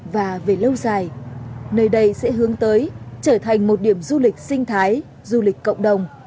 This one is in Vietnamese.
và về lâu dài nơi đây sẽ hướng tới trở thành một điểm du lịch sinh thái du lịch cộng đồng